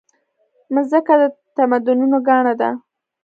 مځکه د تمدنونو ګاڼه ده.